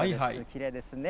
きれいですね。